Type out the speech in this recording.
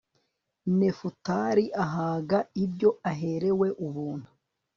nefutali ahaga ibyo aherewe ubuntu